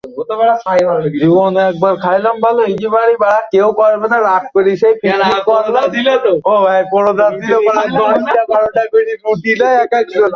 সে কানা নাকি?